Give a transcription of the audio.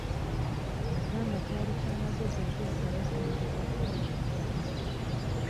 Yagamba kyali kya magezi okuzzaayo ssente za paalamenti.